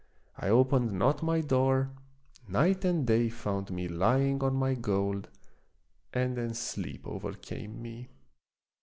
I opened not my door; night and day found me lying on my gold, and then sleep overcame me.